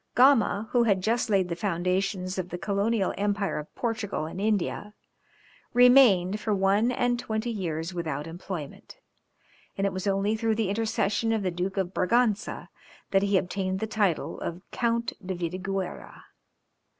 Gama, who had just laid the foundations of the colonial empire of Portugal in India, remained for one and twenty years without employment, and it was only through the intercession of the Duke of Braganza, that he obtained the title of Count de Vidigueyra.